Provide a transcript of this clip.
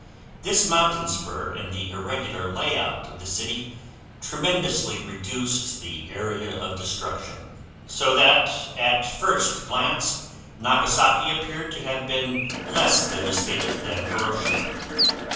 This mountain spur and the irregular lay out of the city tremendously reduced the area of destruction, so that at first glance Nagasaki appeared to have been less devastated than Hiroshima.